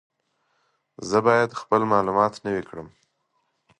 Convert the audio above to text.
زه باید خپل معلومات نوي کړم.